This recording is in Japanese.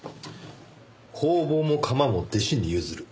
「工房も窯も弟子に譲る」